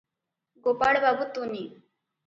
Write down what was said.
ଗୋପାଳବାବୁ ତୁନି ।